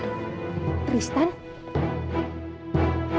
tunggu gue mau ambil uangnya